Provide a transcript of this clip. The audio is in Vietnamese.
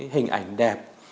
hình ảnh đẹp